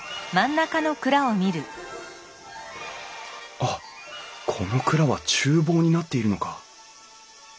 あっこの蔵はちゅう房になっているのか。